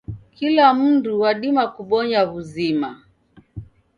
Kila mundu wadima kubonya w'uzima.